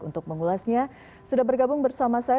untuk mengulasnya sudah bergabung bersama saya